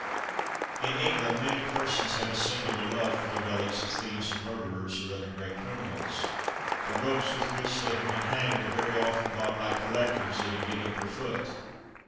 In England many persons have a singular love for the relics of thieves and murderers, or other great criminals. The ropes with which they have been hanged are very often bought by collectors at a guinea per foot.